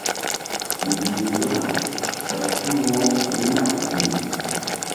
Mbih nzona ɓay tul wo mí nah ziŋ.